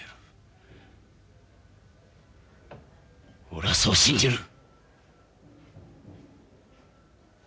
俺はそう信じる。